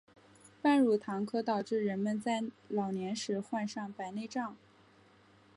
半乳糖可导致人们在老年时患上白内障。